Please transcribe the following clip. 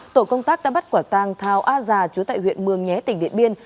tổ công tác đã bắt quả tàng thao a già chúa tại huyện mương nhé tỉnh điện biên